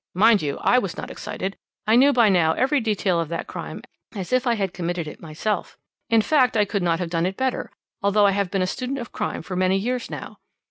Mind you, I was not excited I knew by now every detail of that crime as if I had committed it myself. In fact, I could not have done it better, although I have been a student of crime for many years now.